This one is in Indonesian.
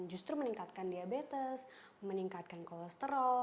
justru meningkatkan diabetes meningkatkan kolesterol